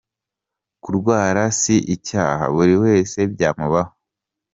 Kurwara si icyaha ,buri wese byamubaho.